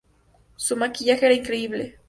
Su maquillaje era increíble.